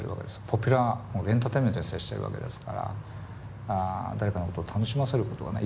ポピュラーエンターテインメントに接してるわけですから誰かのことを楽しませることがね